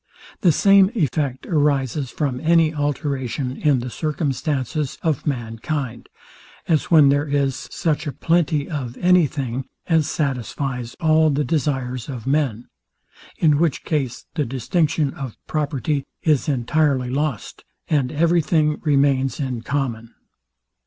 The same effect arises from any alteration in the circumstances of mankind; as when there is such a plenty of any thing as satisfies all the desires of men: In which case the distinction of property is entirely lost, and every thing remains in common.